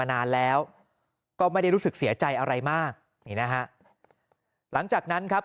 นานแล้วก็ไม่ได้รู้สึกเสียใจอะไรมากนี่นะฮะหลังจากนั้นครับ